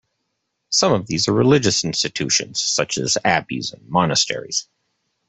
Some of these are religious institutions such as abbeys and monasteries.